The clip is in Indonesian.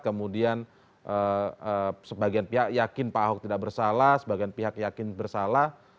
kemudian sebagian pihak yakin pak ahok tidak bersalah sebagian pihak yakin bersalah